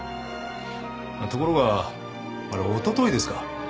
ところがあれおとといですか。